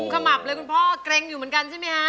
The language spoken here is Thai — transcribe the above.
ขมับเลยคุณพ่อเกร็งอยู่เหมือนกันใช่ไหมฮะ